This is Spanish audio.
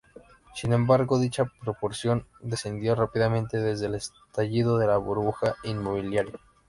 Sin embargo, dicha proporción descendió rápidamente desde el estallido de la burbuja inmobiliaria.